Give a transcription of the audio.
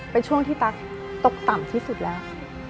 เป็นช่วงที่ตั๊กตกต่ำที่สุดแล้ว